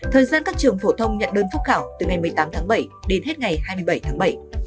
thời gian các trường phổ thông nhận đơn phúc khảo từ ngày một mươi tám tháng bảy đến hết ngày hai mươi bảy tháng bảy